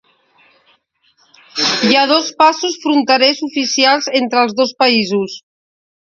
Hi ha dos passos fronterers oficials entre els dos països.